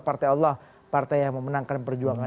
partai allah partai yang memenangkan perjuangan